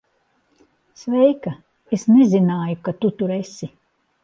Sveika. Es nezināju, ka tu tur esi.